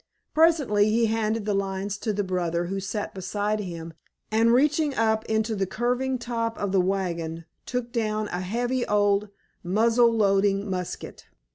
Presently he handed the lines to the brother who sat beside him and reaching up into the curving top of the wagon took down a heavy old muzzle loading musket.